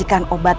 aku siap ngebantu